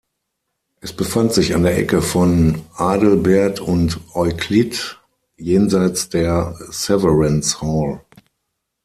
Es befand sich an der Ecke von "Adelbert and Euclid", jenseits der Severance Hall.